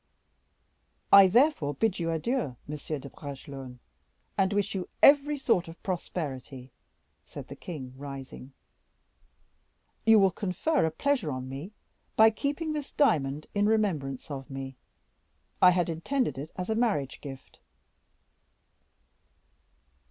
"I therefore bid you adieu, Monsieur de Bragelonne, and wish you every sort of prosperity," said the king, rising; "you will confer a pleasure on me by keeping this diamond in remembrance of me; I had intended it as a marriage gift."